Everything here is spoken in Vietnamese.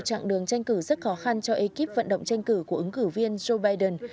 trạng đường tranh cử rất khó khăn cho ekip vận động tranh cử của ứng cử viên joe biden